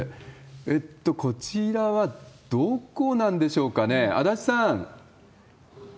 えっと、こちらはどこなんでしょうかね、足立さん。